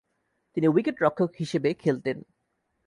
তিনি উইকেট-রক্ষক হিসেবে খেলতেন।